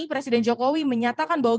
presiden jokowi menyatakan bahwa